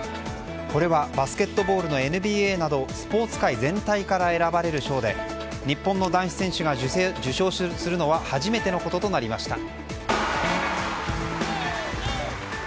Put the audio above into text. これはバスケットボールのＮＢＡなどスポーツ界全体から選ばれる賞で日本の男子選手が受賞するのは初めてのこととなりました。